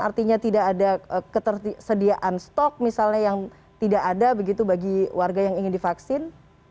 artinya tidak ada ketersediaan stok misalnya yang tidak ada begitu bagi warga yang ingin divaksin